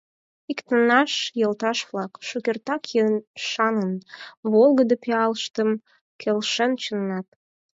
Иктаҥаш йолташ-влак, шукертак ешаҥын, Волгыдо пиалыштым келшен чоҥат.